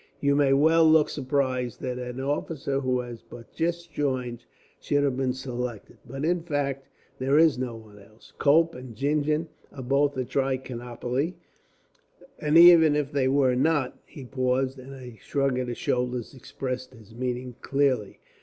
"You may well look surprised that an officer who has but just joined should have been selected; but in fact, there is no one else. Cope and Gingen are both at Trichinopoli, and even if they were not " he paused, and a shrug of the shoulders expressed his meaning clearly.